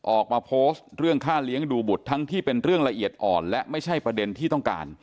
ออกมาโพสต์เรื่องค่าเลี้ยงดูบุตรทั้งที่เป็นเรื่องละเอียดอ่อนและไม่ใช่ประเด็นที่ต้องการ